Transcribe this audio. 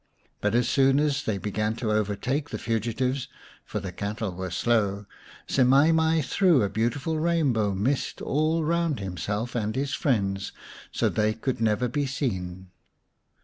But as soon as they began to overtake the fugitives for the cattle were slow Semai mai threw a beautiful rainbow mist all round himself and his friends, so that they could never be seen.